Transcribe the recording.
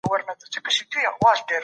نړۍ ډېره پراخه ده.